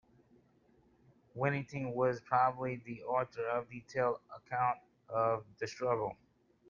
Whittingham was probably the author of a detailed account of the struggle.